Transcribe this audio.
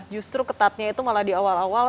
justru ketatnya itu malah di awal awal